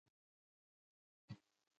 دوی ددې کار لپاره مناسب نصاب ټاکي.